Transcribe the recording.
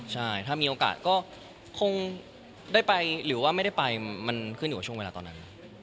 ใช่ถ้ามีโอกาสก็คงได้ไปหรือว่าไม่ได้ไปมันขึ้นอยู่กับช่วงเวลาตอนนั้น